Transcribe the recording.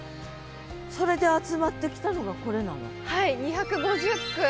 それで集まってきたのがこれなの？